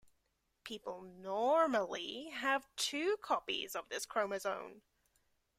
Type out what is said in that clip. People normally have two copies of this chromosome.